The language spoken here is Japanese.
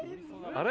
あれ？